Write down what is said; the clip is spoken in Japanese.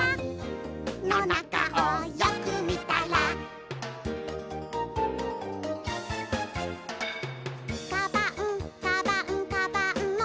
「の中をよくみたら」「カバンカバンカバンの中を」